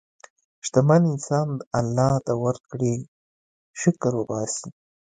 شتمن انسان د الله د ورکړې شکر وباسي.